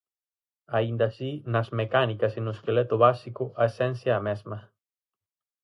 Aínda así, nas mecánicas e no esqueleto básico, a esencia é a mesma.